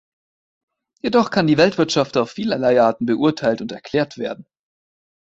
Jedoch kann die Weltwirtschaft auf vielerlei Arten beurteilt und erklärt werden.